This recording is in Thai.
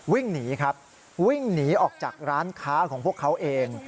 วิ่งหนีครับวิ่งหนีออกจากร้านค้าของพวกเขาเอง